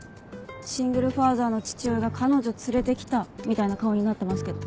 シングルファーザーの父親が彼女連れてきたみたいな顔になってますけど。